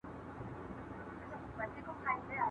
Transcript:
اسمان به ولاړ وي ، لاټ به مردار وي